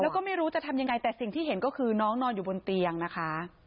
แล้วก็ไม่รู้จะทำยังไงแต่สิ่งที่เห็นก็คือน้องนอนอยู่บนเตียงนะคะ